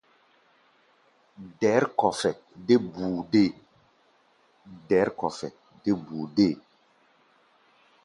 Dɛ̌r-kɔfɛ dé búu deé.